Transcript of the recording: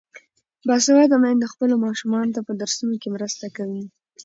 باسواده میندې خپلو ماشومانو ته په درسونو کې مرسته کوي.